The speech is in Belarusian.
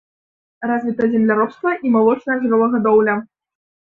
Развіта земляробства і малочная жывёлагадоўля.